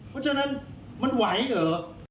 เพราะฉะนั้นมันไหวเหรอ